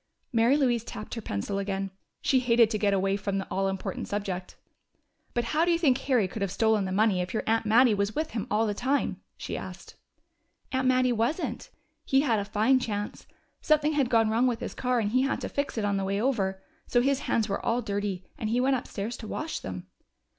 Mary Louise tapped her pencil again. She hated to get away from the all important subject. "But how do you think Harry could have stolen the money if your aunt Mattie was with him all the time?" she asked. "Aunt Mattie wasn't. He had a fine chance. Something had gone wrong with his car, and he had to fix it on the way over. So his hands were all dirty, and he went upstairs to wash them."